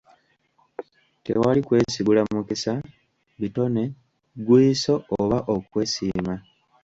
Tewali kwesigula mukisa, bitone, ggwiiso oba okwesiima.